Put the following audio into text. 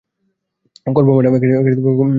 করব, ম্যাডাম।